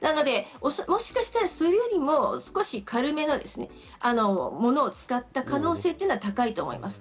もしかしたら、それよりも少し軽めの物を使った可能性は高いと思います。